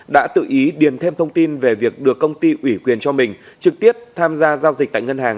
đã tự ý điền thêm thông tin về việc được công ty ủy quyền cho mình trực tiếp tham gia giao dịch tại ngân hàng